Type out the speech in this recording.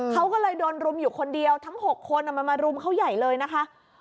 เขาก็เลยโดนรุมอยู่คนเดียวทั้ง๖คนมันมารุมเขาใหญ่เลยนะคะ